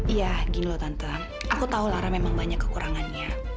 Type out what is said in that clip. iya ginglo tante aku tahu lara memang banyak kekurangannya